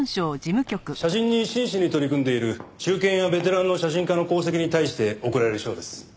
写真に真摯に取り組んでいる中堅やベテランの写真家の功績に対して贈られる賞です。